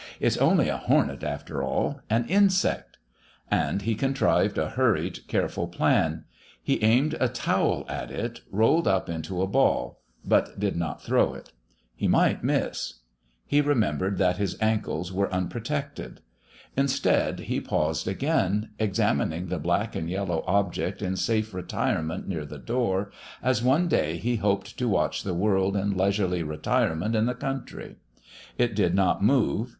"It's only a hornet after all an insect!" And he contrived a hurried, careful plan. He aimed a towel at it, rolled up into a ball but did not throw it. He might miss. He remembered that his ankles were unprotected. Instead, he paused again, examining the black and yellow object in safe retirement near the door, as one day he hoped to watch the world in leisurely retirement in the country. It did not move.